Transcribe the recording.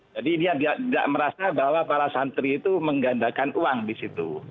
jadi dia tidak merasa bahwa para santri itu menggandakan uang di situ